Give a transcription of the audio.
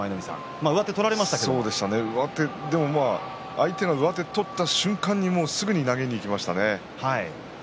相手が上手を取った瞬間にすぐに投げにいきましたね。